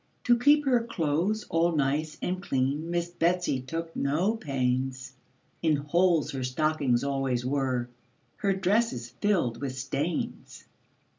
To keep her clothes all nice and clean Miss Betsy took no pains; In holes her stockings always were, Her dresses filled with stains.